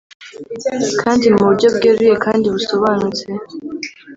Kandi mu buryo bweruye kandi busobanutse